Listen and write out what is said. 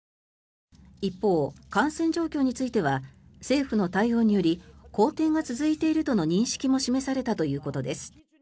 一方、感染状況については政府の対応により好転が続いているとの認識も示されたということです。